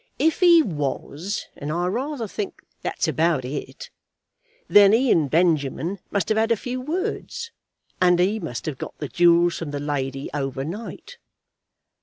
If he was, and I rayther think that's about it, then he and Benjamin must have had a few words, and he must have got the jewels from the lady over night."